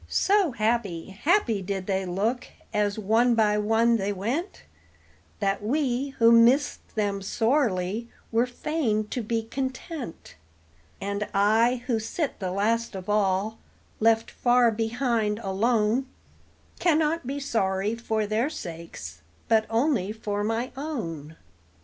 So happy, happy did they look, as one by one they went, That we, who missed them sorely, were fain to be content; And I, who sit the last of all, left far behind, alone, Cannot be sorry for their sakes, but only for my own.